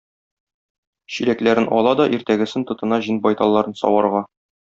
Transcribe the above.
Чиләкләрен ала да иртәгесен тотына җен байталларын саварга.